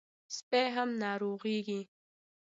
سپي هم ناروغېږي.